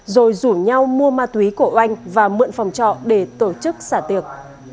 rồi rủ nhau mua ma túy của oanh và mượn phòng trọ để tổ chức xả tiệc